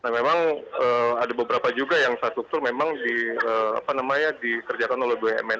memang ada beberapa juga infrastruktur memang dikerjakan oleh bumn